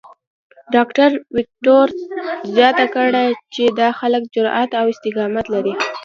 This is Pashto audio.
ډاکټر وېکټور زیاته کړې چې دا خلک جرات او استقامت لري.